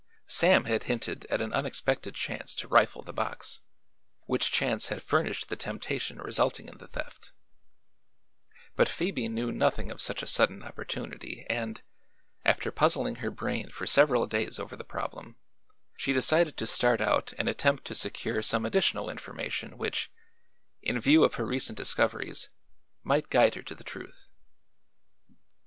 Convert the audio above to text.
Sam had hinted at an unexpected chance to rifle the box, which chance had furnished the temptation resulting in the theft; but Phoebe knew nothing of such a sudden opportunity and, after puzzling her brain for several days over the problem, she decided to start out and attempt to secure some additional information which, in view of her recent discoveries, might guide her to the truth.